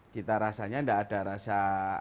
kita rasanya enggak ada rasa